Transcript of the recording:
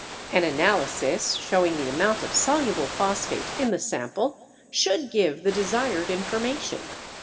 An analysis showing the amount of soluble phosphate in the sample should give the desired information.